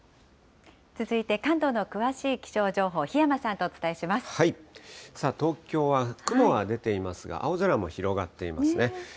続いて関東の詳しい気象情報、東京は雲は出ていますが、青空も広がっていますね。